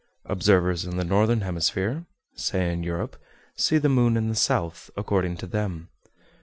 Observers in the northern hemisphere (say in Europe) see the moon in the south—according to them.